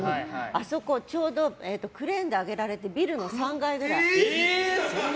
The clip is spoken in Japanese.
あそこにちょうどクレーンで上げられてビルの３階くらい。